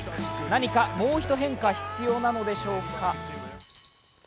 何かもう一変化必要なのでしょうか？